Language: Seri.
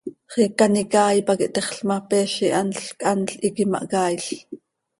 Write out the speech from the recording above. Xiica an icaai pac ihtexl ma, peez ihanl chanl hiiqui mahcaail.